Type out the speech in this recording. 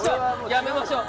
やめましょう。